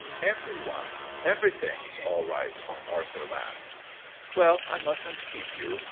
" Every one, everything's all right !" Ar thur laughed. "Well, I mustn't keep you.